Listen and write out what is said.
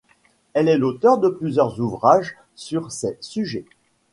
Elle est l'auteur de plusieurs ouvrages sur ces sujets.